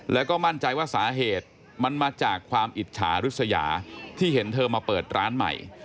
แล้วก็มั่นใจว่าสาเหตุมันมาจากความอิจฉาริสยาที่เห็นเธอมาเปิดร้านใหม่